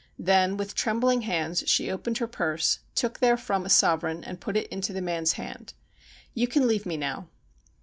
Then with trembling hands she opened her purse, took therefrom a sovereign and put it into the man's hand. ' You can leave me now.'